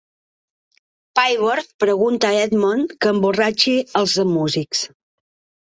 Pieboard pregunta a Edmond que emborratxi els músics.